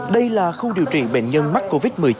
đây là khu điều trị bệnh nhân mắc covid một mươi chín